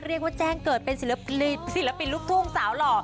เรียกว่าแจ้งเกิดเป็นศิลปินลูกทุ่งสาวหล่อ